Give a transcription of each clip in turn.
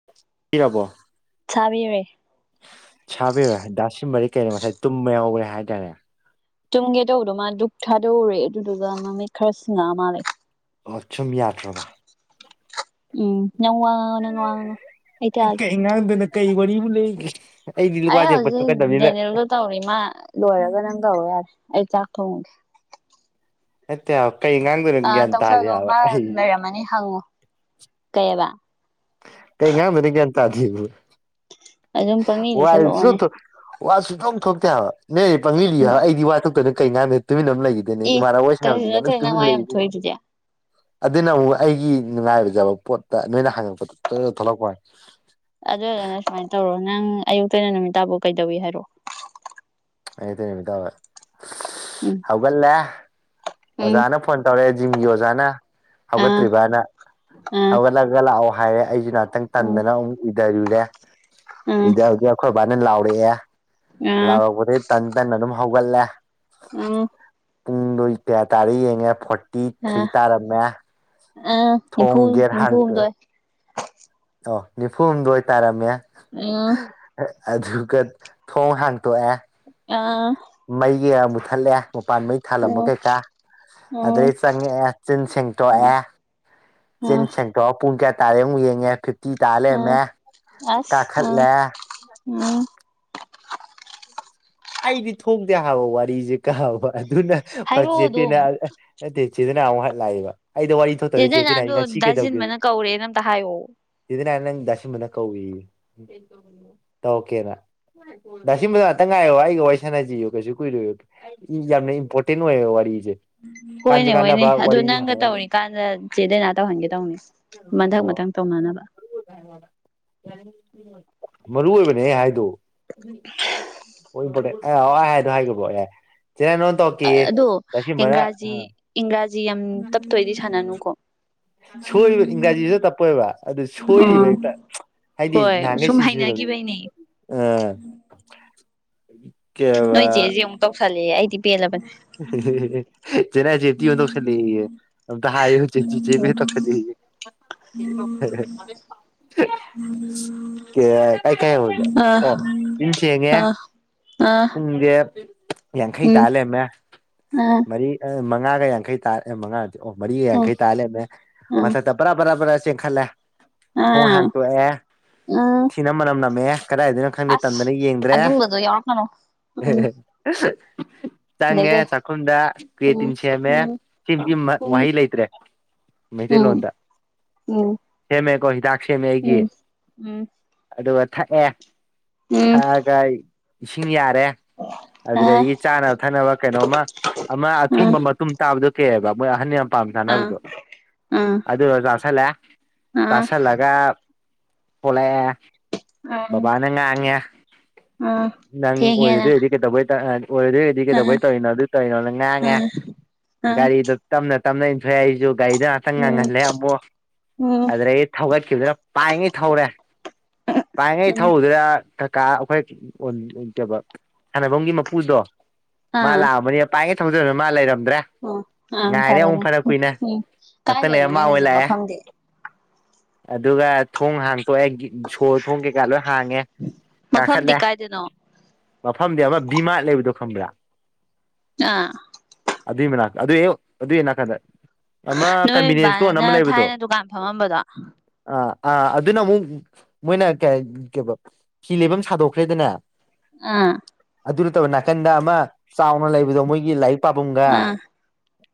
[unintelligible] ꯆꯥꯕꯤꯔꯦ꯫ ꯆꯥꯕꯤꯔꯣꯏ [unintelligible] ꯀꯩꯅꯣ ꯉꯁꯥꯏ ꯇꯨꯝꯕ ꯌꯥꯎꯕꯅꯦ ꯍꯥꯏꯇꯥꯔꯦ꯫ ꯇꯨꯝꯒꯦ ꯇꯧꯕꯗꯣ ꯃꯥ ꯗꯨꯛ ꯊꯥꯗꯣꯛꯎꯔꯦ ꯑꯗꯨꯗꯨꯒ ꯃꯃꯤꯠ ꯈꯔ ꯁꯤꯡꯉꯛꯑ ꯃꯥꯜꯂꯦ꯫ ꯑꯣ ꯇꯨꯝ ꯌꯥꯗ꯭ꯔꯕ ꯎꯝꯅꯪ ꯋꯥꯉꯥꯡ [unintelligible] ꯑꯩ ꯀꯩ ꯉꯥꯡꯗꯣꯏꯅꯣ ꯀꯩ ꯋꯥꯔꯤꯕꯨ ꯂꯩꯒꯦ? ꯑꯩꯗꯤ ꯑꯩ ꯂꯨꯋꯥꯖꯦ ꯍꯧꯖꯤꯛ ꯗꯦꯅꯦꯜꯗꯣ [unintelligible] ꯇꯧꯔꯤ ꯃꯥ ꯂꯣꯏꯔꯒ ꯅꯪ ꯇꯧꯔꯣ ꯌꯥꯔꯦ ꯑꯩ ꯆꯥꯛ ꯊꯣꯡꯉꯒꯦ꯫ ꯅꯠꯇꯦ ꯀꯩ ꯉꯥꯡ ꯑ ꯇꯧꯁꯜꯂꯣ ꯃꯥ ꯂꯩꯔꯝꯃꯅꯤ ꯍꯪꯉꯨ ꯀꯩꯑꯕ ꯀꯩ ꯉꯥꯡꯗꯣꯏꯅꯣ ꯒ꯭ꯌꯥꯟ ꯇꯥꯗ꯭ꯔꯦꯕ꯫ ꯑꯗꯨꯝ ꯄꯪꯂꯤ ꯂꯤꯁꯜꯂꯛꯑꯣꯅꯦ [unintelligible] ꯋꯥ ꯁꯨꯛꯊꯣꯛ ꯊꯣꯛꯇꯦ ꯍꯥꯏꯕ ꯅꯣꯏꯅꯗꯤ ꯄꯪꯂꯤ ꯂꯣꯌꯣ ꯍꯥꯏ ꯑꯩꯗꯤ ꯋꯥ ꯊꯣꯛꯇꯅ ꯀꯩꯅ ꯉꯥꯡꯗꯣꯏ ꯇꯨꯃꯤꯟ ꯑꯃ ꯂꯩꯒꯤ ꯑꯦ ꯏꯃꯥꯟꯅꯕꯤ ꯋꯥꯔꯤ ꯀꯔꯤꯁꯨ ꯁꯥꯅꯕꯖꯨꯅꯦ ꯅꯠꯇꯦ ꯑꯗꯨꯝ ꯅꯪ ꯋꯥ ꯇꯨꯃꯤꯟꯅꯥ ꯌꯥꯝ ꯂꯩꯅꯤ꯫ ꯊꯣꯛꯏꯗꯨꯗꯤ ꯑꯗꯨꯅ ꯑꯃꯨꯛ ꯑꯩꯒꯤ ꯅꯨꯡꯉꯥꯏꯖꯕ ꯄꯣꯠꯇ ꯅꯣꯏꯅ ꯍꯪꯉꯛꯄꯗꯣ꯫ ꯇ ꯊꯣꯛꯂꯛꯄ ꯑꯗꯨꯒꯅ ꯁꯨꯃꯥꯏ ꯇꯧꯔꯣ ꯅꯪ ꯑꯌꯨꯛꯇꯩꯅ ꯅꯨꯃꯤ ꯇꯥꯐꯥꯎ ꯀꯩꯗꯧꯏ ꯍꯥꯏꯔꯛꯑꯣ꯫ ꯎꯝ [unintelligible] ꯍꯧꯒꯠꯂꯦ ꯎꯝ ꯑꯣꯖꯥꯅ ꯐꯣꯟ ꯇꯧꯔꯛꯑꯦ ꯖꯤꯝꯒꯤ ꯑꯣꯖꯥꯅ ꯑꯥ ꯍꯧꯒꯠꯇ꯭ꯔꯤꯕꯅ ꯑꯥ ꯍꯧꯒꯠꯂ ꯂꯥꯛꯑꯣ ꯍꯥꯏꯔꯦ ꯑꯩꯖꯨ ꯉꯥꯏꯍꯥꯛꯇꯪ ꯎꯝ ꯇꯟꯗꯅ ꯑꯃꯨꯛ ꯎꯏꯗꯔꯨꯔꯦ ꯎꯝ ꯎꯏꯗꯕ ꯑꯈꯣꯏ ꯕꯥꯥꯅ ꯂꯥꯎꯔꯛꯑꯦ ꯑꯥ ꯂꯥꯎꯔꯛꯄꯗꯩꯇꯟ ꯇꯟ ꯇꯟꯅ ꯑꯗꯨꯝ ꯍꯧꯒꯠꯂꯦ꯫ ꯎꯝ ꯄꯨꯡꯗꯣ ꯀꯌꯥ ꯇꯥꯔꯦ ꯌꯦꯡꯉꯦ ꯐꯣꯔꯇꯤ ꯊ꯭ꯔꯤ ꯇꯥꯔꯝꯃꯦ꯫ ꯑ ꯅꯤꯐꯨ ꯊꯣꯡ ꯒꯦꯠ ꯍꯥꯡꯇꯣꯛꯑꯦ ꯅꯤꯝꯐꯨꯗꯣꯏ ꯑꯣ ꯅꯤꯐꯨ ꯍꯨꯝꯗꯣꯏ ꯇꯥꯔꯝꯃꯦ꯫ [unintelligible] ꯑꯗꯨꯒ ꯊꯣꯡ ꯍꯥꯡꯇꯣꯛꯑꯦ ꯑꯥ ꯃꯩꯒꯤ ꯃꯨꯠꯊꯠꯂꯦ ꯃꯄꯥꯟ ꯃꯩ ꯊꯥꯜꯂꯝꯕ ꯀꯩꯀꯥ ꯑꯗꯩ ꯆꯪꯉꯛꯑꯦ ꯆꯤꯟ ꯁꯦꯡꯇꯣꯛꯑꯦ꯫ ꯆꯦꯟ ꯁꯦꯡꯇꯣꯛꯑ ꯄꯨꯡ ꯀꯌꯥ ꯇꯥꯔꯦ ꯑꯃꯨꯛ ꯌꯦꯡꯉꯦ ꯐꯤꯞ ꯇꯤ ꯇꯥ ꯂꯩꯔꯝꯃꯦ ꯀꯥꯈꯠꯂꯦ ꯎꯝ ꯑꯩꯗꯤ ꯊꯣꯛꯗꯦ ꯍꯥꯏꯕ ꯋꯥꯔꯤꯖꯤ ꯀꯥꯕ ꯑꯗꯨꯅ ꯍꯥꯏꯔꯛꯑꯣ ꯑꯗꯨꯝ ꯆꯦꯄꯤꯅ ꯅꯠꯇꯦꯆꯦꯗꯅ ꯑꯃꯨꯛ ꯍ ꯂꯥꯛꯑꯦꯕ ꯑꯩꯗꯣ ꯋꯥꯔꯤ ꯊꯣꯛꯇꯧ ꯆꯦꯅ ꯆꯦꯄꯤꯅ ꯑꯩ ꯅꯍꯥꯟꯗꯣ ꯉꯁꯤ ꯀꯩꯗꯧꯒꯦꯗ ꯗꯥꯁꯤꯟꯕꯅ ꯀꯧꯔꯦꯅ ꯑꯝꯇ ꯍꯥꯏꯌꯣ ꯆꯦ [unintelligible] ꯗꯥꯥ ꯁꯤꯝꯕꯅꯥ ꯀꯧꯔꯤ ꯇꯧꯀꯦꯅ ꯗꯥꯁꯤꯕ ꯉꯥꯛꯇꯪ ꯉꯥꯏꯌꯣ ꯑꯩ ꯋꯥꯏꯁꯅꯥꯖꯤꯑꯣ ꯀꯩꯁꯨ ꯀꯨꯏꯔꯣꯏ ꯌꯥꯝꯅ ꯏꯝꯄꯣꯔꯇꯦꯟ ꯑꯣꯏꯌꯦꯕ ꯋꯥꯔꯤꯖꯦ ꯫ ꯍꯣꯏꯅꯦ ꯍꯣꯏꯅꯦ ꯑꯗꯨ ꯅꯪꯒ ꯇꯧꯔꯤꯀꯥꯟꯗ ꯆꯦꯗꯩꯅꯥ ꯇꯧꯍꯟꯒꯦ ꯇꯧꯅꯦ꯫ ꯃꯊꯪ ꯑꯣ ꯃꯊꯪ ꯇꯧꯅꯅꯕ꯫ ꯃꯔꯨ ꯑꯣꯏꯕꯅꯦ ꯍꯥꯏꯗꯣ꯫ [unintelligible] ꯏꯝꯄꯣꯔꯇꯦꯟ ꯑꯦ ꯑꯣ ꯍꯥꯏ ꯑꯗꯨ ꯍꯥꯏꯒꯤꯕꯣ ꯑꯦ ꯆꯦ ꯅꯉꯣꯟ ꯇꯧ ꯑꯗꯣ ꯏꯡꯒ꯭ꯔꯥꯖꯤ ꯏꯪꯒ꯭ꯔꯥꯖꯤ ꯌꯥꯝ ꯇꯞꯇꯣꯏꯗꯤ ꯁꯥꯟꯅꯅꯨꯀꯣ꯫ ꯁꯣꯏꯔꯤꯕ ꯏꯪ꯭ꯔꯥꯖꯤ ꯇꯞꯄꯣꯏꯕ ꯑꯗꯨ ꯁꯣꯏꯔꯤꯕ ꯎꯝ ꯍꯦꯛꯇ ꯍꯥꯏꯗꯤ ꯍꯣꯏ ꯅꯍꯥꯟꯒꯩ ꯁꯨꯝ ꯁꯤꯁꯨ ꯑ ꯍꯩꯅꯈꯤꯕꯩꯅꯦ ꯅꯣꯏ ꯀꯩꯕ ꯆꯦꯖꯤ ꯑꯃꯨꯛ ꯇꯧꯁꯜꯂꯦ ꯑꯩꯗꯤ ꯄꯦꯜꯂꯕꯅꯤ꯫ [unintelligible] ꯇꯧꯁꯜꯂꯦꯌꯦ ꯑꯝꯇ ꯍꯥꯏꯌꯨ ꯆꯦ ꯕꯦꯗ ꯇꯧꯁꯜꯂꯦꯌꯦ ꯫ [unintelligible] ꯀꯦ ꯑꯩ ꯀꯥꯏ ꯍꯧꯒꯦ ꯑ ꯑꯣ ꯏꯟ ꯊꯦꯡꯉꯦ ꯑꯥ ꯄꯨꯡꯁꯦ ꯌꯥꯡꯈꯩ ꯇꯥ ꯂꯩꯔꯝꯃꯦ ꯑ ꯃꯔꯤ ꯃꯉꯥꯒ ꯌꯥꯡꯈꯩꯥ ꯃꯉꯥ ꯑꯣ ꯃꯔꯤꯒ ꯑ ꯌꯥꯡꯈꯩ ꯇꯥ ꯂꯩꯔꯝꯃꯦ ꯑ ꯃꯊꯛꯇ ꯕꯔꯥ ꯕꯔꯥ ꯕꯔꯥ ꯆꯦꯟꯈꯠꯂꯦ ꯊꯣꯡ ꯑ ꯍꯥꯡꯇꯣꯛꯑꯦ ꯑ ꯊꯤ ꯃꯅꯝ ꯅꯝꯃꯦ ꯀꯗꯥꯏꯗꯩꯅꯣ ꯈꯪꯗꯦ ꯇꯥꯟꯗꯅ ꯌꯦꯡꯗ꯭ꯔꯦ ꯑꯗꯨ ꯌꯥꯎꯔꯛꯒꯅꯣ [unintelligible] ꯆꯪꯉꯦ ꯑꯗꯒꯤ ꯆꯥꯛꯈꯨꯝꯗ ꯀꯦꯇꯤꯟ ꯎꯝ ꯁꯦꯝꯃꯦ ꯎꯝ ꯁꯤ ꯎꯝ ꯋꯥꯍꯩ ꯂꯩꯇ꯭ꯔꯦ ꯎꯝ ꯃꯩꯇꯩꯂꯣꯟꯗ ꯎꯝ ꯁꯦꯝꯃꯦꯀꯣ ꯍꯤꯗꯥꯛ ꯁꯦꯝꯃꯦ ꯑꯩꯒꯤ ꯎꯝ ꯎꯝ ꯑꯗꯨꯒ ꯊꯛꯑꯦ ꯎꯝ ꯊꯛꯑꯒ ꯏꯁꯤꯡ ꯌꯥꯔꯦ ꯑ ꯑꯗꯨꯗꯒꯤ ꯆꯥꯅꯕ ꯊꯛꯅꯕ ꯀꯩꯅꯣꯝꯃ ꯑꯃ ꯑ ꯑꯊꯨꯝꯕ ꯃꯇꯨꯝ ꯇꯥꯕꯗꯣ ꯀꯩꯕ ꯃꯣꯏ ꯑꯍꯟ ꯌꯥꯝ ꯄꯥꯝꯅ ꯑ ꯆꯥꯅꯕꯗꯣ ꯑ ꯑꯗꯨꯗꯣ ꯆꯥꯥꯁꯜꯂꯦ ꯑ ꯆꯥꯥꯁꯜꯂꯒ ꯊꯣꯛꯂꯛꯑꯦ ꯕꯕꯥꯅ ꯉꯥꯡꯉꯦ ꯑꯝ ꯅꯪ ꯑꯣꯏꯔꯣꯏꯗꯣꯏ ꯑꯣꯢꯔꯗꯤ ꯀꯩꯗꯧꯕꯩ ꯑꯣꯏꯔꯗꯣꯏ ꯑꯣꯢꯔꯗꯤ ꯑ ꯀꯩꯗꯧꯕꯩ ꯇꯧꯔꯤꯅꯣ ꯑꯗꯨꯏ ꯇꯧꯔꯤꯅꯣ ꯅꯪ ꯉꯥꯡꯉꯦ ꯑꯥ ꯒꯥꯔꯤꯗꯣ ꯇꯞꯅ ꯇꯞꯅ ꯏꯟꯊꯣꯛꯑꯦ ꯑꯩꯁꯨ ꯒꯥꯔꯤꯗ ꯉꯍꯥꯛꯇꯪ ꯎꯝ ꯉꯪꯍꯜꯂꯦ ꯑꯃꯨꯛ ꯎꯝ ꯑꯗꯩ ꯊꯧꯒꯠꯈꯤꯕꯗꯨꯅ ꯄꯥꯏꯉꯩ ꯊꯧꯔꯦ ꯄꯥꯏꯉꯩ ꯎꯝ ꯊꯧꯕꯗꯨꯗ ꯀꯀꯥ ꯑꯩꯈꯣꯏ ꯀ ꯁꯥꯟꯅꯐꯝꯒꯤ ꯃꯄꯨꯗꯣ ꯃꯥ ꯑꯥ ꯂꯥꯛꯑꯕꯅꯤꯅ ꯄꯥꯏꯉꯩ ꯊꯧꯖꯤꯟꯂ ꯃꯥ ꯂꯩꯔꯝꯗ꯭ꯔꯦ ꯑꯣ ꯑ ꯉꯥꯏꯔꯦ ꯐꯔꯦꯅꯦ ꯑꯃꯨꯛ ꯐꯅ ꯀꯨꯏꯅ ꯎꯝ ꯉꯥꯛꯇꯪ ꯀꯥꯏꯗꯅꯣ ꯂꯩꯔ ꯃꯥ ꯑꯣꯏ ꯅꯪꯒꯤꯁꯦ ꯂꯥꯛꯑꯦ ꯃꯐꯝꯗꯤ ꯑꯗꯨꯒ ꯊꯣꯡ ꯍꯥꯡꯇꯣꯛꯑꯦ ꯁꯣ ꯊꯣꯡ ꯀꯩꯀꯥ ꯂꯣꯏ ꯍꯥꯡꯉꯦ ꯃꯐꯝꯗꯤ ꯀꯥꯈꯠꯂꯦ ꯀꯥꯏꯗꯅꯣ ꯃꯐꯝꯗꯤ ꯑꯃ ꯕꯤꯃꯥ ꯂꯩꯕꯗꯣ ꯈꯪꯕ꯭ꯔꯥ ꯑꯥ ꯑꯗꯨꯣ ꯃꯅꯥꯛ ꯑꯗꯨꯢ ꯑꯗꯨꯢ ꯍꯦꯛ ꯅꯒꯥꯟꯗ ꯑꯃ ꯅꯣꯏ ꯀꯟꯚꯤꯅꯤꯟꯁ ꯏꯁꯇꯣꯟ ꯕꯥꯅ ꯑꯃ ꯂꯩꯕꯗꯣ ꯊꯥꯏꯅ ꯗꯨꯀꯥꯟ ꯐꯝꯃꯝꯕꯗꯣ ꯑꯥ ꯑꯥ ꯑꯗꯨꯅ ꯑꯃꯨꯛ ꯃꯣꯏꯅ ꯀ ꯀ ꯍꯤ ꯂꯩꯕꯝ ꯁꯥꯗꯣꯛꯈ꯭ꯔꯦꯗꯅ ꯑ ꯑꯗꯨ ꯅꯠꯇꯕ ꯅꯥꯀꯟꯗ ꯑꯃ ꯆꯥꯎꯅ ꯂꯩꯕꯗꯣ ꯃꯣꯏꯒꯤ ꯂꯥꯏꯔꯤꯛ ꯂꯥꯢꯔꯤꯛ ꯄꯥꯕꯝꯒ ꯑꯥ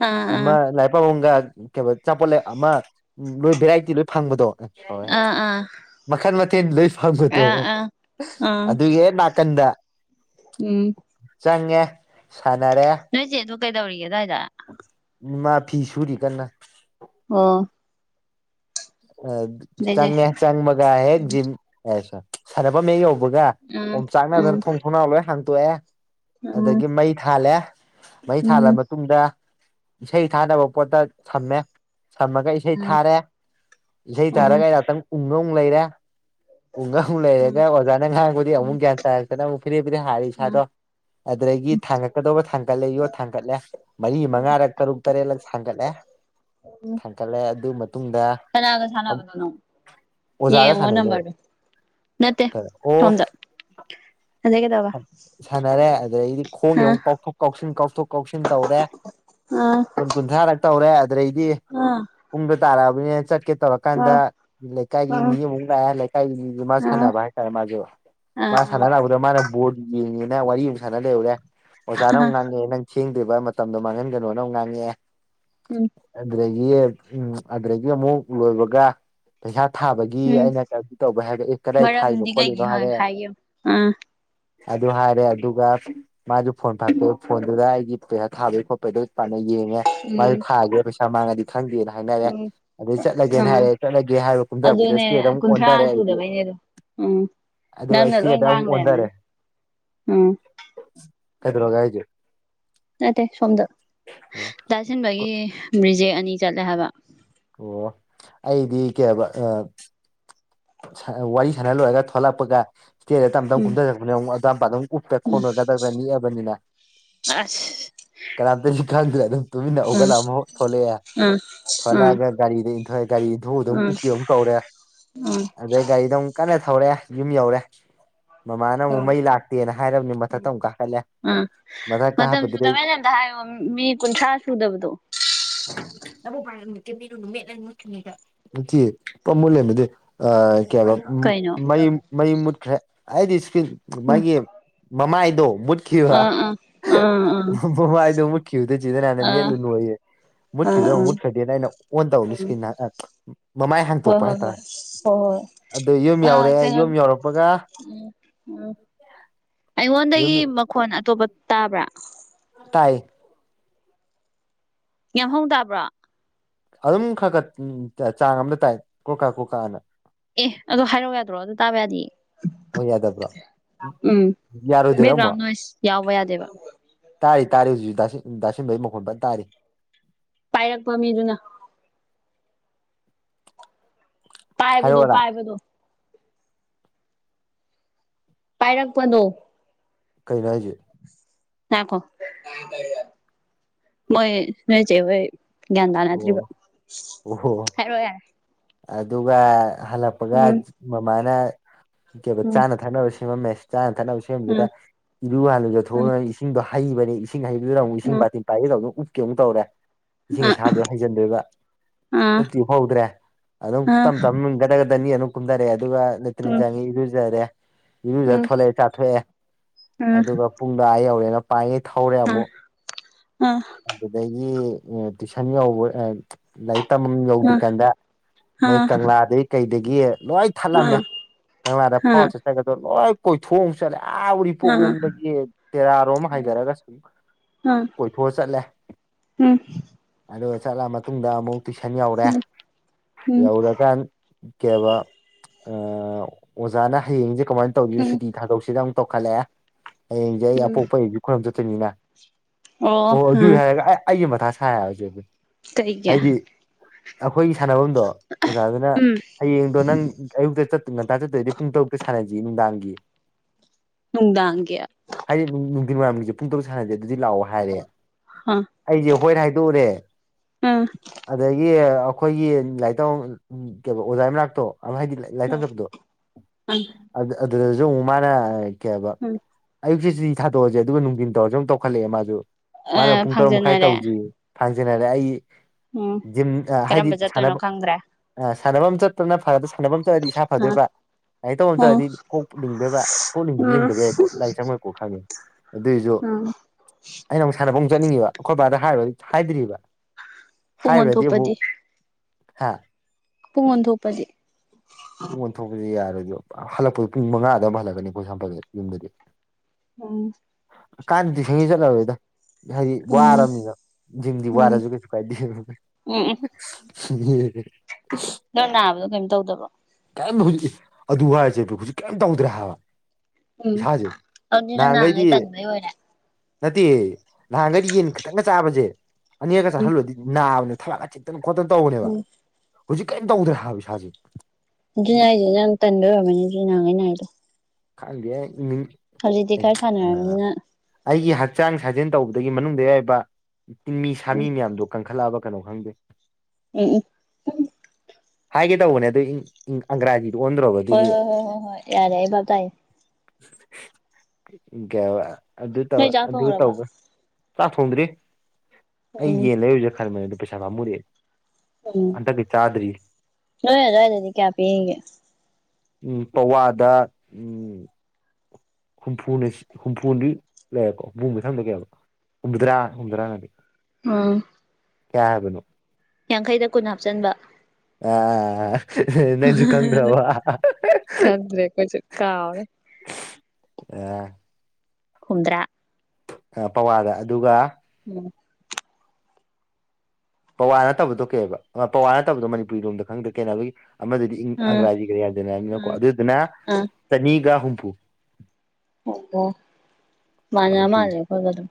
ꯑꯥ ꯑꯥ ꯑꯃ ꯂꯥꯏꯔꯤꯛ ꯄꯥꯕꯝꯒ ꯀꯩꯕ ꯑꯆꯥꯄꯣꯠ ꯑꯃ ꯂꯣꯏ ꯚꯦꯔꯥꯏꯇꯤ ꯂꯣꯏ ꯐꯪꯕꯗꯣ ꯑꯦ ꯑꯥ ꯑꯥ ꯃꯈꯟ ꯃꯊꯦꯜ ꯂꯣꯏ ꯐꯪꯕꯗꯣ ꯑꯥ ꯑꯥ ꯑꯥ ꯑꯗꯨꯒꯤ ꯍꯦꯛ ꯅꯥꯀꯟꯗ ꯎꯝ ꯆꯪꯉꯦ ꯁꯥꯟꯅꯔꯦ ꯅꯣꯏꯆꯦ ꯗꯣ ꯀꯩꯗꯧꯔꯤꯒꯦ ꯑꯗꯨꯋꯥꯏꯗ ꯃꯥ ꯐꯤ ꯁꯨꯔꯤ ꯀꯟꯅ ꯑꯣ ꯂꯩ ꯂꯩ ꯆꯪꯉꯦ ꯆꯪꯕꯒ ꯍꯦꯛ ꯎꯝ ꯖꯤꯝ ꯁꯥꯟꯅꯐꯝ ꯍꯦꯛ ꯌꯧ ꯕꯒ ꯑꯣꯝꯆꯥꯛꯅꯗꯅ ꯎꯝ ꯊꯣꯡ ꯊꯣꯡꯅꯥꯎ ꯂꯣꯏ ꯍꯥꯡꯇꯣꯛꯑꯦ ꯎꯝ ꯑꯗꯨꯗꯒꯤ ꯃꯩ ꯊꯥꯜꯂꯦ ꯃꯩ ꯎꯝ ꯊꯥꯜꯂ ꯎꯝ ꯃꯇꯨꯡꯗ ꯏꯁꯩ ꯊꯥꯅꯕ ꯄꯣꯠꯇ ꯊꯝꯃꯦ ꯁꯝꯃꯒ ꯏꯁꯩ ꯊꯥꯔꯦ ꯏꯁꯩ ꯊꯥꯔꯒ ꯉꯍꯥꯛꯇꯪ ꯎꯪꯉꯒ ꯂꯩꯔꯦ ꯎꯨꯡꯉꯒ ꯑꯃꯨꯛ ꯂꯩꯔꯒ ꯎꯝ ꯑꯣꯖꯥꯅ ꯉꯥꯡꯕꯗ ꯑꯃꯨꯛ ꯎꯝ ꯒ꯭ꯌꯥꯟ ꯇꯥꯔꯛꯇꯅ ꯑꯃꯨꯛ ꯐꯦꯔꯦ ꯐꯦꯔꯦ ꯍꯥꯏꯔꯦ ꯏꯁꯥꯗꯣ ꯎꯝ ꯑꯗꯨꯗꯒꯤ ꯊꯥꯡꯒꯠꯀꯗꯧꯕ ꯊꯥꯡꯒꯠꯂꯦ ꯌꯣꯠ ꯊꯥꯡꯒꯠꯂꯦ ꯃꯔꯤ ꯃꯉꯥꯔꯛ ꯇꯔꯨꯛ ꯇꯔꯦꯠꯂꯛ ꯊꯥꯡꯒꯠꯂꯦ ꯊꯥꯡꯀꯠꯂꯦ ꯑꯗꯨ ꯃꯇꯨꯡꯗ ꯀꯅꯒ ꯁꯥꯟꯅꯕꯗꯅꯣ ꯑꯣꯖꯥꯒ ꯌꯦꯡꯉꯣ ꯁꯥꯟꯅꯩꯅꯦ ꯅꯝꯕꯔꯗꯣ ꯅꯠꯇꯦ ꯑꯣ ꯁꯣꯝꯗ [unintelligible] ꯁꯥꯟꯅꯔꯦ ꯑꯗꯨꯗꯩꯗꯤ ꯑ ꯈꯣꯡꯖꯦ ꯑꯃꯨꯛ ꯀꯥꯎꯊꯣꯛ ꯀꯥꯎꯁꯤꯟ ꯀꯥꯎꯊꯣꯛ ꯀꯥꯎꯁꯤꯟ ꯇꯧꯔꯦ ꯑꯥ ꯀꯨꯟ ꯀꯨꯟꯊ꯭ꯔꯥꯔꯛ ꯇꯧꯔꯦ ꯑꯗꯨꯗꯩꯗꯤ ꯑꯥ ꯄꯨꯡꯗꯣ ꯇꯥꯔꯛꯑꯕꯅꯤꯅ ꯆꯠꯀꯦ ꯇꯧꯔꯛ ꯀꯥꯟꯗ ꯂꯩꯀꯥꯏꯒꯤ ꯃꯤ ꯑꯃꯨꯛ ꯂꯥꯛꯑꯦ ꯂꯩꯀꯥꯏꯒꯤ ꯃꯤꯗꯨ ꯃꯥ ꯑ ꯁꯥꯟꯅꯕ ꯍꯥꯏꯇꯥꯔꯦ ꯃꯥꯖꯨ ꯑ ꯃꯥ ꯁꯥꯟꯅ ꯂꯥꯛꯄꯗꯣ ꯃꯥꯅ ꯕꯣꯜ ꯌꯦꯡꯉꯦꯅ ꯋꯥꯔꯤ ꯑꯃꯨꯛ ꯁꯥꯟꯅ ꯂꯩꯔꯨꯔꯦ ꯑꯣꯖꯥꯅ ꯑ ꯑꯃꯨꯛ ꯉꯥꯡꯉꯦ ꯅꯪ ꯁꯦꯡꯗ꯭ꯔꯤꯕ ꯃꯇꯝꯗꯣ ꯃꯥꯡꯍꯟꯒꯅꯣꯅꯃꯨꯛ ꯉꯥꯡꯉꯛꯑꯦ ꯎꯝ ꯑꯗꯨꯗꯒꯤ ꯎꯝ ꯑꯗꯨꯗꯒꯤ ꯑꯃꯨꯛ ꯂꯣꯏꯕꯒ ꯄꯩꯁꯥ ꯊꯥꯕꯒꯤ ꯎꯝ ꯑꯩꯅ ꯀꯩꯏꯝ ꯇꯧꯕꯩ ꯍꯥꯏꯔꯦ ꯑꯦ ꯀꯗꯥꯏ ꯊꯥꯏꯅꯣ ꯃꯔꯝꯗꯤ ꯀꯩꯒꯤ ꯈꯣꯠꯂꯤꯅꯣ ꯍꯥꯏ ꯍꯥꯏꯔꯦ ꯍꯥꯏꯒꯦ ꯌꯦꯡꯉꯣ ꯑꯥ ꯑꯗꯨ ꯍꯥꯏꯔꯦ ꯑꯗꯨꯒ ꯃꯥꯁꯨ ꯐꯣꯟ ꯐꯥꯛꯇꯣ ꯐꯣꯟꯗꯨꯗ ꯑꯩꯒꯤ ꯄꯩꯁꯥ ꯊꯥꯕꯩ ꯈꯣꯠꯄꯩ ꯑꯗꯨ ꯐꯥꯅ ꯌꯦꯡꯉꯦ ꯃꯥꯖꯨ ꯎꯝ ꯊꯥꯒꯦ ꯄꯩꯁꯥ ꯃꯥꯡꯉꯗꯤ ꯈꯪꯗꯦꯅ ꯍꯥꯏꯅꯔꯦ ꯎꯝ ꯑꯗꯨꯗꯩ ꯆꯠꯂꯒꯦꯅ ꯎꯝ ꯍꯥꯏꯔꯦ ꯆꯠꯂꯒꯦ ꯍꯥꯏꯕ ꯀꯨꯝꯗꯔꯛꯄꯗ ꯑꯗꯨꯅꯦ ꯁ꯭ꯇꯦꯌꯔꯗ ꯑꯃꯨꯛ ꯀꯨꯟꯊ꯭ꯔꯥ ꯑꯣꯟꯗꯔꯦ ꯑꯩꯗꯤ ꯁꯨꯗꯕꯩꯅꯦ ꯑꯗꯣ ꯎꯝ ꯑꯗꯨꯒ ꯑꯩ ꯅꯪꯅ ꯂꯣꯏ ꯆꯦꯗ ꯉꯥꯡ ꯑꯃꯨꯛ ꯑꯣꯟꯊꯔꯦ ꯂꯩꯔꯝꯃꯅꯤ ꯎꯝ ꯀꯩꯗꯧꯔꯒꯦ ꯍꯥꯏꯖꯦ ꯅꯠꯇꯦ ꯁꯣꯝꯗ ꯗꯥ ꯁꯤꯟꯕꯒꯤ ꯔꯤꯖꯦꯛ ꯑꯅꯤ ꯆꯠꯂꯦ ꯍꯥꯏꯕ ꯑꯣ ꯑꯩꯗꯤ ꯀꯩ ꯍꯥꯏꯕ ꯑ ꯁꯥꯟꯅ ꯋꯥꯔꯤ ꯁꯥꯟꯅ ꯂꯣꯏꯔꯒ ꯊꯣꯛꯂꯛꯄꯒ ꯏꯁꯇꯤꯌꯔꯗ ꯇꯝ ꯇꯝ ꯎꯝ ꯀꯨꯝꯊꯖꯔꯛꯄꯅꯤ ꯑꯃꯨꯛ ꯑꯗꯥꯏꯄꯥꯗ ꯑꯃꯨꯛ ꯎꯞꯄꯦ ꯎꯝ ꯈꯣꯡꯅ ꯒꯗꯛ ꯗꯛ ꯅꯤꯛꯑꯕꯅꯤꯅ ꯑꯁ ꯀꯅꯥꯝꯇꯁꯨ ꯈꯪꯗ꯭ꯔꯦ ꯑꯗꯨꯝ ꯇꯨꯃꯤꯟꯅ ꯎꯝ ꯍꯧꯒꯠꯂ ꯑꯃꯨꯛ ꯊꯣꯛꯂꯛꯑꯦ ꯎꯝ ꯊꯣꯂꯛꯑꯒ ꯒꯥꯔꯤꯗ ꯏꯟꯊꯣꯛꯑꯦ ꯒꯥꯔꯤ ꯏꯟꯊꯨꯕꯗ ꯑꯃꯨꯛ ꯎꯝ ꯎꯞꯀꯦ ꯑꯃꯨꯛ ꯇꯧꯔꯦ ꯎꯝ ꯑꯗꯩ ꯒꯥꯔꯤꯗ ꯑꯃꯨꯛ ꯀꯟꯅ ꯊꯧꯔꯦ ꯌꯨꯝ ꯌꯧꯔꯦ ꯃꯃꯥꯅ ꯑꯃꯨꯛ ꯎꯝ ꯃꯩ ꯂꯥꯛꯇꯦꯅ ꯍꯥꯏꯔꯕꯅꯤ ꯃꯊꯛꯇ ꯑꯃꯨꯛ ꯀꯥꯈꯠꯂꯦ ꯑꯥ ꯃꯊꯛ ꯃꯇꯝ ꯀꯥꯈꯠꯄꯗꯨꯗꯩ ꯁꯨꯗꯕꯩꯅꯦ ꯑꯝꯇ ꯍꯥꯏꯌꯣ ꯃꯤ ꯀꯨꯟꯊ꯭ꯔꯥ ꯁꯨꯗꯕꯗꯣ [unintelligible] ꯅꯠꯇꯦ ꯄꯨꯔꯥ ꯃꯨꯠ ꯂꯩꯔꯝꯃꯦ ꯑꯗꯨꯏ ꯑꯥ ꯀꯩ ꯍꯥꯏꯕ ꯀꯩꯅꯣ ꯃꯩ ꯃꯩ ꯃꯨꯠꯈ꯭ꯔꯦ ꯑꯩꯗꯤ ꯏꯁꯀ꯭ꯔꯤꯟ ꯎꯝ ꯃꯥꯒꯤ ꯃꯃꯥꯏꯗꯣ ꯃꯨꯠ ꯈꯤꯕ ꯑꯥ ꯑꯥ ꯑꯥ ꯑꯥ ꯃ ꯃꯥꯏꯗꯣ ꯃꯨꯠꯈꯤꯕꯗꯩ ꯆꯦ ꯖꯤꯅꯥꯅ ꯑꯥ ꯃꯦꯠꯂꯨꯅꯣꯌꯦ ꯃꯨꯠꯈꯤꯕꯗ ꯑꯥ ꯑꯃꯨꯛ ꯑꯥ ꯃꯨꯠꯈ꯭ꯔꯗꯦꯅ ꯑꯩꯅ ꯑꯣꯟ ꯇꯧꯕꯗ ꯁꯀꯤꯟ ꯃꯃꯥꯏ ꯍꯥꯡꯇꯣꯛꯄ ꯍꯥꯏꯇꯥꯔꯦ ꯍꯣ ꯍꯣꯏ ꯑꯗꯨ ꯌꯨꯝ ꯑꯥ ꯌꯧꯔꯦ ꯀꯩꯅꯣ ꯌꯨꯝ ꯌꯧꯔꯛꯄꯒ ꯎꯝ ꯎꯝ ꯌꯨꯝ ꯑꯩꯉꯣꯟꯗꯒꯤ ꯃꯈꯣꯟ ꯑꯇꯣꯞꯄ ꯇꯥꯕ꯭ꯔꯥ ꯇꯥꯏ ꯌꯥꯝꯍꯧ ꯇꯥꯕ꯭ꯔꯣ ꯑꯗꯨꯝ ꯈꯔ ꯈꯔ ꯎꯝ ꯆꯥꯡ ꯑꯝꯗ ꯇꯥꯏ ꯀ꯭ꯔꯣꯛ ꯀꯥꯛ ꯀ꯭ꯔꯣꯛ ꯀꯥꯛꯅ ꯑꯦ ꯑꯗꯨ ꯍꯥꯏꯔꯧ ꯌꯥꯗ꯭ꯔꯣ ꯑꯗꯨ ꯇꯥꯕ ꯌꯥꯗꯤꯌꯦ ꯑꯣ ꯌꯥꯗꯕ꯭ꯔꯣ ꯎꯝ ꯌꯥꯔꯣꯏꯗꯣꯏꯔ ꯕꯦꯛꯒ꯭ꯔꯥꯎꯟ ꯑꯃꯨꯛ ꯅꯣꯏꯁ ꯌꯥꯎꯕ ꯌꯥꯗꯦꯕ ꯇꯥꯔꯤ ꯇꯥꯔꯤ ꯍꯧꯖꯤꯛꯁꯨ ꯗꯥ ꯁꯤꯟ ꯗꯥ ꯁꯤꯟꯕꯩ ꯃꯈꯣꯟ ꯐꯟ ꯇꯥꯔꯤ ꯄꯥꯏꯔꯛꯄ ꯃꯤꯗꯨꯅ ꯄꯥꯏꯕꯗꯣ ꯍꯥꯏꯔꯛꯑꯣꯔꯥ ꯄꯥꯏꯕꯗꯣ ꯄꯥꯏꯔꯛꯄꯗꯣ ꯀꯩꯩꯅꯣ ꯍꯥꯏꯖꯦ ꯅꯥꯏꯈꯣ ꯃꯣꯏ ꯅꯣꯏ ꯆꯦꯍꯣꯏ ꯒ꯭ꯌꯥꯟ ꯑꯣ ꯇꯥꯅꯗ꯭ꯔꯤꯕ ꯑꯣꯍꯣ ꯍꯥꯏꯔꯣ ꯌꯥꯔ ꯑꯗꯨꯒ ꯍꯜꯂꯛꯄꯒ ꯎꯝ ꯃꯃꯥꯅ ꯀ‌ꯦꯕꯥ ꯎꯝ ꯆꯥꯅ ꯊꯛꯅꯕ ꯁꯦꯝꯃꯝꯃꯦ ꯆꯥꯅ ꯊꯛꯅꯕ ꯁꯦꯝꯗꯨꯗ ꯎꯝ ꯏꯔꯨ ꯍꯥꯟ ꯂꯨꯖꯊꯣꯛꯑꯒ ꯏꯁꯤꯡꯗꯣ ꯍꯩꯕꯅꯦ ꯏꯁꯤꯡ ꯍꯩꯕꯗꯨꯗ ꯑꯃꯨꯛ ꯏꯁꯤꯡ ꯎꯝ ꯎꯝ ꯕꯥꯇꯤꯟ [unintelligible] ꯎꯞꯀꯦ ꯑꯃꯨꯛ ꯇꯧꯔꯦ ꯏꯁꯤꯡ ꯑ [unintelligible] ꯏꯁꯥꯗ ꯍꯩꯖꯤꯟꯗꯣꯏꯕ ꯑ ꯎꯞꯇꯤ ꯎꯞꯐꯧꯗ꯭ꯔꯦ ꯑꯗꯨꯝ ꯑ ꯇꯝ ꯇꯝ [unintelligible] ꯀꯨꯝꯗꯔ‌ꯑꯦ ꯑꯗꯨꯒ ꯂ‌ꯦꯇ꯭ꯔꯤꯟ ꯎꯝ ꯆꯪꯉ‌ꯦ ꯏꯔꯨꯖꯔ‌ꯦ ꯏꯔꯨꯖ ꯎꯝ ꯊꯣꯂ‌ꯦ ꯆꯥꯊꯣꯑꯦ ꯎꯝ ꯑꯗꯨꯒ ꯄꯨꯡꯗ‌ꯣ ꯑꯥ ꯌꯧꯔꯦꯅꯥ ꯄꯥꯏꯉꯩ ꯊꯧꯔꯦ ꯑꯃꯨꯛ [unintelligible] ꯑꯗꯨꯗꯒꯤ ꯇꯨꯏꯁꯟ ꯌꯧꯕꯥ ꯑꯝ ꯂꯥꯏꯔꯤꯛ ꯇꯝꯕꯝ ꯌꯧꯗ꯭ꯔꯤꯀꯥꯟꯗ ꯃꯣꯏ ꯀꯪꯂꯥꯗꯩ ꯀꯩꯗꯒꯤ ꯂ‌ꯣꯏ ꯑ ꯊꯠꯂꯝꯃꯦ ꯀꯪꯂꯥꯗ ꯐꯥꯎ ꯑ ꯆꯠ ꯆꯒꯗ ꯂꯣꯏ ꯀꯣꯏꯊꯣꯛꯑ ꯃꯨꯛ ꯆꯠꯂꯦ ꯑꯥ ꯑ ꯑ ꯎꯔꯤꯄꯣꯛꯂꯣꯝꯗꯒꯤ ꯇꯦꯔꯥꯔꯣꯝ ꯍꯥꯏꯊꯔꯒ ꯁꯨꯡ [unintelligible] ꯊ‌ꯣꯑ ꯆꯠꯂꯦ ꯎꯝ ꯎꯝ ꯑꯗꯨꯒ ꯆꯠꯂ ꯃꯇꯨꯡꯗ ꯑꯃꯨꯛ ꯇꯨꯏꯁꯟ ꯌꯧꯔꯦ ꯌꯧꯔꯀꯥꯟ ꯀꯦꯑꯕ ꯑꯏ ꯑꯣꯖꯥꯅ ꯍꯌꯦꯡꯖ‌ꯦ ꯀꯃꯥꯏ ꯇꯧꯒꯦ ꯎꯝ ꯁꯨꯇꯤ ꯊꯥꯗꯣꯛꯁꯤꯔ ꯑꯃꯨꯛ ꯇꯧꯈꯠꯂꯑꯦ ꯍꯌꯦꯡꯖ‌ꯦ ꯑꯩ ꯎꯝ ꯑꯄꯣꯛꯄꯩꯁꯨ ꯈ‌ꯣꯏꯔꯝ ꯆꯠꯇ‌ꯣꯏꯅꯤꯅ ꯑꯣ ꯑꯗꯨꯏ ꯍꯥꯏꯔꯒ ꯑꯩ ꯑꯩꯒꯤ ꯃꯊꯥ ꯁꯥꯏꯌ‌ꯦ ꯖꯦꯕꯤꯔ ꯀꯩ ꯒꯤ ꯑꯈꯣꯏꯒꯤ ꯁꯥꯟꯅꯚꯝꯗꯣ ꯑꯣꯖꯥꯗꯨꯅ ꯎꯝ ꯍꯌꯦꯡꯗꯣ ꯅꯪ ꯑꯌꯨꯛꯇ ꯆꯠ ꯉꯟꯇꯥ ꯆꯠꯇꯣꯏꯗꯤ ꯄꯨꯡ ꯇꯔꯨꯛꯇ ꯁꯥꯟꯅꯖꯤ ꯅꯨꯡꯗꯥꯡꯒꯤ ꯅꯨꯡꯗꯥꯡꯒꯤ ꯍꯥꯏꯗꯤ ꯅꯨꯡ ꯅꯨꯡꯗꯤꯟ ꯋꯥꯏꯔꯝꯒꯤꯁꯦ ꯄꯨꯡ ꯇꯔꯨꯛ ꯁꯥꯟꯅꯖ‌ꯦ ꯑꯗꯨꯗꯤ ꯂꯥꯑꯣ ꯍꯥꯏꯔꯦ ꯎꯝ ꯑꯩꯖ‌ꯦ ꯍꯣꯏꯠ ꯍꯥꯏꯗ‌ꯣꯎꯔꯦ ꯎꯝ ꯑꯗꯒꯤ ꯑꯩꯈꯣꯏꯒꯤ ꯂꯥꯏꯔꯤꯛꯇꯝꯃꯛ ꯎꯝ ꯀꯩꯕ ꯑꯣꯖꯥꯏ ꯃꯅꯥꯛꯇꯣ ꯑꯃ ꯍꯥꯏꯗꯤ ꯂꯥꯏꯛ ꯂꯥꯏꯛꯇꯝ ꯆꯠꯄꯗꯣ ꯑꯗꯨ ꯑꯗꯨꯗꯁꯨ ꯑꯃꯨꯛ ꯃꯥꯅ ꯀꯩ ꯑꯕꯥ ꯎꯝ ꯑꯌꯨꯛꯁꯤ ꯁꯨꯇꯤ ꯊꯥꯗꯣꯛꯑꯁꯦ ꯑꯗꯨꯒ ꯅꯨꯡꯗꯤꯟ ꯇꯧꯔꯁꯤ ꯑꯃꯨꯛ ꯇꯧꯈꯠꯂꯑꯦ ꯃꯥꯁꯨ ꯃꯥꯅ ꯑ ꯄꯨꯡ ꯇꯔꯨꯛ ꯃꯈꯥꯏ ꯐꯥꯡꯖꯟꯅꯔꯦ ꯇꯧꯖ‌ꯦ ꯐꯥꯡꯖꯤꯟꯅꯔꯦ ꯑꯩ ꯎꯝ ꯖꯤꯝ ꯍꯥꯏꯗꯤ ꯀꯔꯝꯕ ꯆꯠꯇꯣꯏꯅꯣ ꯁꯥꯟꯅꯕꯝ ꯈꯪꯗ꯭ꯔꯦ ꯑ ꯁꯥꯟꯅꯕꯝ ꯆꯠ ꯗꯨꯅ ꯐꯔꯗ‌ꯣ ꯁꯥꯟꯅꯕꯝ ꯆꯠꯔꯗꯤ ꯏꯁꯥ ꯑ ꯐꯗꯣꯏꯕꯥ ꯂꯥꯏꯔꯤꯛ ꯇꯧꯕꯝ ꯑ ꯆꯠꯂꯗꯤ ꯀꯣꯛ ꯂꯤꯡꯗꫭꯏꯕ ꯀꯣꯛ ꯂꯤꯡꯕꯗꯤ ꯎꯝ ꯂꯤꯡꯗꯕ ꯌꯥꯏꯀꯣ ꯂꯥꯏꯔꯤꯛ ꯆꯪꯉꯣꯏꯀꯣ ꯈꯪꯉꯦ ꯑꯗꯨꯏꯖꯨ [unintelligible] ꯑꯩꯅ ꯑꯃꯨꯛ ꯁꯥꯟꯅꯕ ꯃꯨꯛ ꯆꯠꯅꯤꯡꯉꯤꯕ ꯑꯩꯈꯣꯏ ꯕꯥꯗ ꯍꯥꯏꯔꯨꯔ ꯍꯥꯏꯗ꯭ꯔꯤꯕ ꯄꯨꯡ ꯍꯥꯏꯔꯨꯔꯗꯤ ꯑꯣꯟꯊꯣꯛꯄꯗꯤ ꯑꯃꯨꯛ ꯍꯥꯥ ꯄꯨꯡ ꯑꯣꯟ ꯊ‌ꯣꯛꯄꯖꯤ ꯄꯨꯡ ꯑꯣꯟꯊꯣꯛꯄꯖꯤ ꯌꯥꯔꯣꯏꯗꯤꯕ ꯍꯜꯂꯛꯄꯗꯣ ꯄꯨꯡ ꯃꯉꯥꯗ ꯑꯃ ꯍꯜꯂꯛꯀꯅꯤ [unintelligible] ꯌꯨꯝꯗꯗꯤ ꯎꯝ ꯀꯥꯟꯗꯤ ꯁꯤꯗꯩ ꯆꯠꯂꯥꯔ‌ꯣꯏꯗꯥ ꯍꯥꯏꯗꯤ ꯎꯝ ꯋꯥꯔꯝꯅꯤꯅ ꯖꯤꯝꯗꯤ ꯋꯥꯔꯁꯨ ꯀꯩꯁꯨ ꯀꯥꯏꯗꯦ ꯎꯝ ꯎꯝ [unintelligible] ꯅꯪ ꯅꯥꯕꯗꯣ ꯀꯩꯝ ꯇꯧꯗꯕ꯭ꯔꯣ ꯀꯩꯝ ꯍꯧꯖꯤꯛ ꯑꯗꯨ ꯍꯥꯏꯔꯁꯦ ꯍꯧꯖꯤꯛ ꯀꯔꯤꯝ ꯇꯧꯗ꯭ꯔꯦ ꯍꯥꯏꯕ ꯎꯝ ꯏꯁꯥꯁꯦ ꯑꯗꯨꯗꯤ ꯅꯪ ꯅꯍꯥꯟꯒꯩꯗꯤ ꯅꯍꯥꯟꯈꯩ ꯇꯟꯕꯩ ꯑꯣꯏꯔꯦ ꯅꯠꯇꯦꯌꯦ ꯅꯍꯥꯟꯒꯩꯗꯤ ꯌꯦꯟ ꯈꯤꯇꯪꯒ ꯆꯥꯕꯁꯦ ꯑꯅꯤꯔꯒ ꯆꯥꯁꯜꯂꯨꯗꯤ ꯅꯥꯕꯅꯦ ꯊꯕꯥꯛꯀ ꯊꯤꯛꯇꯅ ꯈꯣꯠꯇꯅ ꯇꯧꯕꯅꯦꯕ ꯎꯝ ꯍꯧꯖꯤꯛ ꯀꯔꯤꯝ ꯇꯧꯗ꯭ꯔꯦ ꯍꯥꯏꯕ ꯏꯁꯥꯁꯦ ꯑꯗꯨꯅꯦꯍꯥꯏꯁꯦ ꯅꯪ ꯇꯟꯕꯩ ꯑꯣꯏꯔꯝꯅꯤ ꯑꯗꯨꯗꯤ ꯅꯥꯥꯍꯥꯟꯒꯩ ꯅꯥꯏꯗꯣ ꯈꯪꯗꯦ ꯎꯝ ꯍꯧꯖꯤꯛꯇꯤ ꯈꯔ ꯁꯥꯟꯅꯔꯝꯅꯤꯅ ꯑꯩꯒꯤ ꯍꯛꯆꯥꯡ ꯁꯥꯖꯦꯜ ꯇꯧꯕꯗꯒꯤ ꯃꯅꯨꯡꯗ ꯌꯥꯎꯕ ꯇꯤꯟꯃꯤ ꯎꯝ ꯁꯥꯃꯤ ꯃꯌꯥꯝꯗꯣ ꯀꯟꯈꯠꯂꯛꯑꯕ ꯀꯩꯅꯣ ꯈꯪꯗꯦ ꯎꯝ ꯎꯝ ꯍꯥꯏꯒꯦ ꯇꯧꯕꯅꯦ ꯑꯗꯨ ꯏꯡ ꯏꯡ ꯑꯪꯒ꯭ꯔꯥꯖꯤꯗ ꯑꯣꯟꯗ꯭ꯔꯣꯕ ꯍꯣꯏ ꯑꯗꯨꯒꯤ ꯍꯣꯏ ꯍꯣꯏ ꯍꯣꯏ ꯍꯣꯏ ꯌꯥꯔꯦ ꯑꯩ ꯕꯥꯞ ꯇꯥꯏ ꯀꯩ ꯍꯥꯢꯕ ꯑꯗꯨ ꯇꯧ ꯅꯣꯏ ꯆꯥꯛ ꯑꯗꯨ ꯊꯣꯡꯈ꯭ꯔꯕ ꯇꯧꯕ ꯆꯥꯛ ꯊꯣꯡꯗ꯭ꯔꯤ ꯑꯩ ꯎꯝ ꯌꯦꯟ ꯂꯩꯔꯨꯁꯤꯔ ꯈꯟꯕꯅꯦ ꯑꯗ ꯄꯩꯁꯥ ꯄꯥꯝꯃꯨꯔꯦ ꯎꯝ ꯅꫭꯏ ꯑꯗꯥꯏꯗꯗꯤ ꯀꯌꯥ ꯄꯤꯔꯤꯒꯦ ꯎꯝ ꯄꯥꯋꯥꯗ [inaudible] ꯍꯨꯝꯐꯨꯅ ꯍꯨꯝꯐꯨꯗꯤ ꯂꯩꯔꯦꯀꯣ ꯍꯨꯝꯐꯨ ꯃꯊꯪꯗꫭ ꯀꯌꯥ ꯍꯥꯏꯕ ꯍꯨꯝꯗꯔꯥ ꯍꯨꯝꯗꯔꯥ ꯅꯠꯇꯦ ꯑꯝ ꯀꯌꯥ ꯍꯥꯏꯕꯅꯣ ꯌꯥꯡꯈꯩꯗ ꯀꯨꯟ ꯍꯥꯞꯆꯟꯕ ꯑ ꯑ ꯑ [unintelligible] ꯅꯪꯖꯨ ꯈꯪꯗ꯭ꯔꯕ ꯈꯪꯗ꯭ꯔꯦ ꯑꯩꯈꯣꯏꯁꯨ ꯀꯥꯎꯔꯦ ꯑꯥ ꯍꯨꯝꯗ꯭ꯔꯥ ꯄꯋꯥꯒ ꯑꯗꯨꯒ ꯎꯝ ꯄꯋꯥ ꯅꯠꯇꯕꯗꯣ ꯀꯩꯕ ꯑꯃ ꯄꯋꯥ ꯅꯠꯇꯕꯗꯣ ꯃꯅꯤꯄꯨꯔꯤ ꯂꯣꯟꯗ ꯈꯪꯗ꯭ꯔꯦ ꯀꯩꯍꯥꯏꯅꯣꯕ ꯑꯃꯗꯨꯗꯤ ꯎꯝ ꯑꯪꯒ꯭ꯔꯥꯖꯤ [unintelligible] ꯀꯔꯤ ꯍꯥꯟꯖꯟꯅꯝꯅꯤꯀꯣ ꯎꯝ ꯑꯗꯨꯗꯨꯅ ꯆꯅꯤꯒ ꯍꯨꯝꯐꯨ꯫ ꯑꯣ ꯑꯣ ꯑꯗꯨꯃꯥꯏꯅ ꯃꯥꯅ ꯄꯤ ꯃꯥꯜꯂꯦ ꯑꯈꯣꯏꯒ ꯑꯗꯨꯝ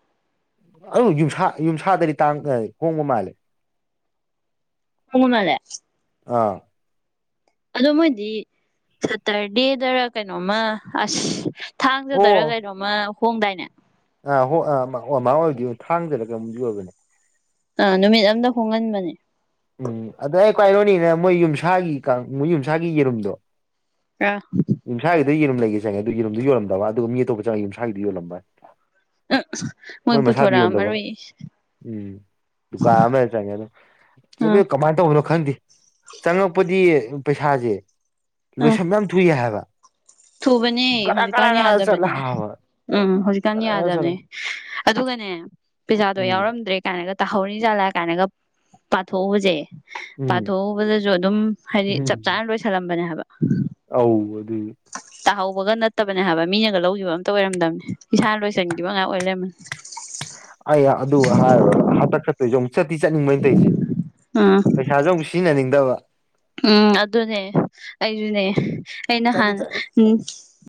ꯑꯗꯨ ꯌꯨꯝꯁꯥ ꯌꯨꯝꯁꯥꯗꯗꯤ ꯇꯥꯡ ꯉ ꯍꯣꯡꯕ ꯃꯥꯜꯂꯦ꯫ ꯍꯣꯡꯕꯃꯜꯂꯦ [unintelligible] ꯑꯥ ꯑꯗꯣ ꯃꯣꯏꯗꯤ ꯁꯇꯔꯗꯦꯗꯔ ꯀꯩꯅꯣꯃ ꯑꯁ ꯊꯥꯡꯖꯗꯔ ꯑꯣ ꯀꯩꯅꯣꯝꯃ ꯍꯣꯡꯗꯥꯏꯅꯦ꯫ ꯑꯥ ꯍꯣ ꯑ ꯃ ꯑꯣꯏꯃꯥꯢꯗꯤ ꯊꯥꯡꯖꯔ ꯀꯩꯅꯣꯃꯗꯤ ꯑꯣꯏꯕꯅꯦ꯫ ꯑꯥ ꯅꯨꯃꯤꯠ ꯑꯃꯗ ꯍꯣꯡꯍꯟꯕꯅꯦ ꯎꯝ ꯑꯗꯩ ꯑꯩ ꯈꯨꯋꯥꯏ ꯅꯣꯛꯅꯤꯡꯉꯤꯅ ꯃꯣꯏ ꯌꯨꯝꯁꯥꯒꯤ ꯀ ꯃꯣꯏ ꯌꯨꯝꯁꯥꯒꯤ ꯌꯦꯔꯨꯝꯗꯣ ꯑꯥ ꯌꯨꯝꯁꯥꯒꯤꯗ ꯌꯦꯔꯨꯝ ꯂꯩꯒꯦ ꯆꯪꯉꯦ ꯑꯗꯨ ꯌꯦꯔꯨꯝꯗꯨ ꯌꯣꯂꯝꯗ ꯋꯥꯅꯦ ꯑꯗꯨꯒ ꯃꯤ ꯑꯇꯣꯞꯄ ꯆꯪꯉꯒ ꯌꯨꯝꯁꯥꯒꯤꯗꯨ ꯌꯣꯜꯂꯝꯕ꯫ ꯃꯣꯏ ꯃꯁꯥꯗ ꯄꯨꯊꯣꯔꯛ ꯌꯣꯟꯗꯕ ꯑꯝꯃꯔꯣꯏꯌꯦ ꯎꯝ ꯗꯨꯀꯥꯟ ꯑꯃꯗ ꯆꯪꯉꯦ ꯑꯗꯣ ꯀꯦꯕꯦ ꯑꯥ ꯀꯃꯥꯏꯅ ꯇꯧꯕꯅꯣ ꯈꯪꯗꯦ꯫ ꯆꯪꯉꯛꯄꯗꯤ ꯄꯩꯁꯥꯖꯦ ꯑꯥ ꯂꯣꯏꯁꯟꯕ ꯌꯥꯝ ꯊꯨꯏ ꯍꯥꯏꯕ꯫ ꯊꯨꯕꯅꯦ ꯒꯔꯥ ꯒꯔꯥ ꯍꯧꯖꯤꯛꯀꯥꯟ ꯒꯔꯥ ꯆꯠꯂꯦ ꯌꯥꯗꯕꯅꯦ ꯍꯥꯏꯕ ꯎꯝ ꯍꯧꯖꯤꯛꯀꯥꯟ ꯒꯔꯥ ꯒꯔꯥ ꯌꯥꯗꯕꯅꯦ ꯆꯠꯂꯦ ꯑꯗꯨꯒꯅꯦ ꯄꯤꯖꯥꯗꯣ ꯎꯝ ꯌꯥꯎꯔꯝꯗ꯭ꯔꯦ ꯀꯥꯏꯅꯒ ꯇꯥꯍꯧꯔꯤꯖꯥꯠꯂꯥ ꯀꯥꯏꯅꯒ ꯄꯥꯊꯣꯛꯎꯕꯖꯦ ꯎꯝ ꯄꯥꯊꯣꯛꯎꯕꯗꯖꯨ ꯑꯗꯨꯝ ꯍꯥꯏꯗꯤ ꯆꯞ ꯎꯝ ꯆꯥꯅ ꯂꯣꯏꯁꯜꯂꯝꯕꯅꯦ ꯍꯥꯏꯕ꯫ ꯑꯧ ꯑꯗꯨꯅꯦ ꯇꯥꯍꯧꯕꯒ ꯅꯠꯇꯕꯅꯦ ꯍꯥꯏꯕ ꯃꯤꯅꯒ ꯂꯧꯈꯤꯕ ꯑꯝꯇ ꯑꯣꯏꯔꯝꯗꯝꯕꯅꯦ ꯏꯁꯥꯅ ꯂꯣꯏꯁꯤꯟꯈꯤꯕ ꯉꯥꯛ ꯑꯣꯏ ꯂꯩꯔꯝꯃꯅꯤ꯫ [inaudible] ꯑꯩ ꯑꯗꯨ ꯍꯥꯏꯔꯨꯔꯒ ꯍꯟꯗꯛ ꯆꯠꯇꯨꯏꯖꯦ ꯑꯃꯨꯛ ꯆꯠꯇꯤ ꯆꯠꯅꯤꯡꯕ ꯑꯩꯅ ꯇꯧꯖꯦ ꯎꯝ ꯄꯩꯁꯥꯥꯖꯨ ꯑꯃꯨꯛ ꯁꯤꯖꯤꯟꯅꯅꯤꯡꯗꯕ ꯎꯝ ꯑꯗꯨꯅꯦ ꯑꯩꯖꯨꯅꯦ ꯑꯩ ꯆꯠꯇꯤ ꯅꯍꯥꯟ ꯆꯠ ꯎꯝ